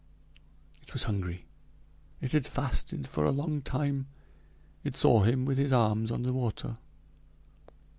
It was hungry, it had fasted for a long time; it saw him with his arms on the water.